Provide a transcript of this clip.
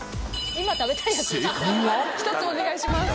１つお願いします。